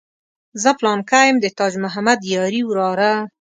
زه پلانکی یم د تاج محمد یاري وراره.